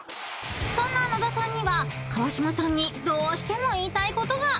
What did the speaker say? ［そんな野田さんには川島さんにどうしても言いたいことが］